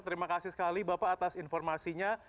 terima kasih sekali bapak atas informasinya